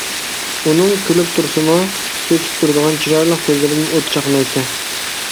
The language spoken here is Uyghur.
ئۇنىڭ كۈلۈپ تۇرسىمۇ، چۆچۈپ تۇرىدىغان چىرايلىق كۆزلىرىدىن ئوت چاقنايتتى.